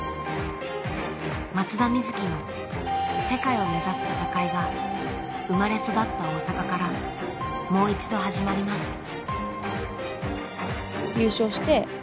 松田瑞生の世界を目指す戦いが生まれ育った大阪からもう一度始まります。